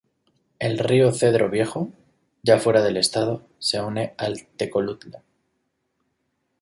El Río Cedro Viejo, ya fuera del estado, se une al Tecolutla.